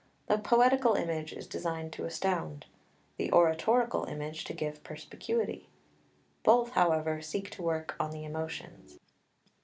The poetical image is designed to astound; the oratorical image to give perspicuity. Both, however, seek to work on the emotions.